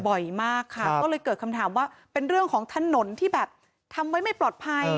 บ่อยมากค่ะก็เลยเกิดคำถามว่าเป็นเรื่องของถนนที่แบบทำไว้ไม่ปลอดภัย